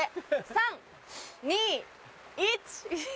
３・２・１！